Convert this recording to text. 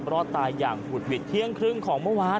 รอดตายอย่างหุดหวิดเที่ยงครึ่งของเมื่อวาน